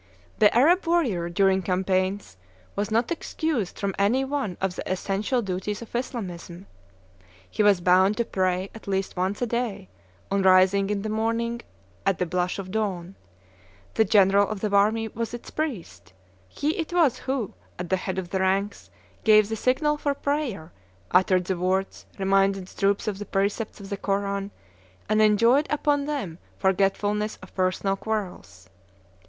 "The Arab warrior during campaigns was not excused from any one of the essential duties of Islamism; he was bound to pray at least once a day, on rising in the morning, at the blush of dawn. The general of the army was its priest; he it was who, at the head of the ranks, gave the signal for prayer, uttered the words, reminded the troops of the precepts of the Koran, and enjoined upon them forgetfulness of personal quarrels."